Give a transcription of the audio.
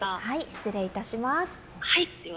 失礼いたします。